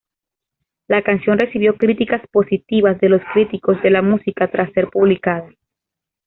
La canción recibió críticas positivas de los críticos de la música tras ser publicada.